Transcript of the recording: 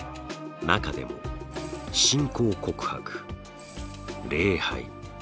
中でも信仰告白礼拝